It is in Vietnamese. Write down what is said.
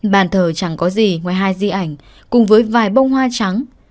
bàn thờ chẳng có gì ngoài hai di ảnh cùng với vài bông hoa trắng